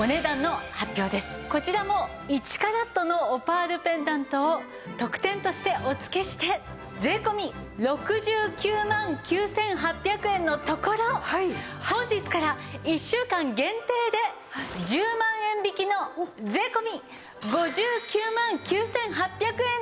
こちらも１カラットのオパールペンダントを特典としてお付けして税込６９万９８００円のところ本日から１週間限定で１０万円引きの税込５９万９８００円です！